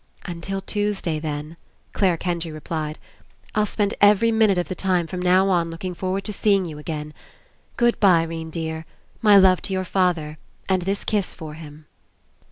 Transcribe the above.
"Until Tuesday, then," Clare Kendry replied. "I'll spend every minute of the time 47 PASSING from now on looking forward to seeing you again. Good bye, 'Rene dear. My love to your father, and this kiss for him."